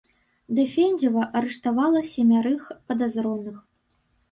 Дэфензіва арыштавала семярых падазроных.